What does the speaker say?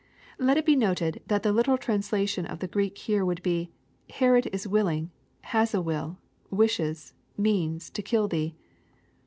Let it be noted that the literal translation of the Greek here would be, " Herod is willing, — has a will, — wishes, — means, — to kill thee."